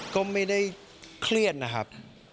ก็ไม่ได้เครียดนะครับ